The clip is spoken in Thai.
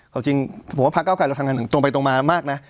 ผมว่าภาคเก้าขาดเราทำงานตรงไปตรงมามากนะ